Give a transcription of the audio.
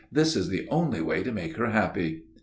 "This is the only way to make her happy."